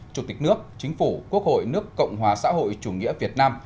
chủ tịch nước chính phủ quốc hội nước cộng hòa xã hội chủ nghĩa việt nam